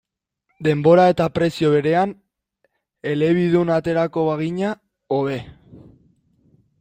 Denbora eta prezio berean elebidun aterako bagina, hobe.